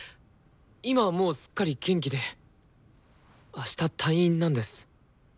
今はもうすっかり元気であした退院なんです。